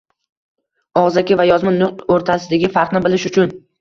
Og‘zaki va yozma nutq o‘rtasidagi farqni bilish uchun